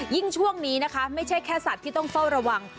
ช่วงนี้นะคะไม่ใช่แค่สัตว์ที่ต้องเฝ้าระวัง